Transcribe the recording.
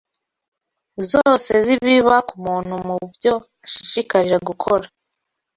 zose z’ibiba ku muntu mu byo ashishikarira gukora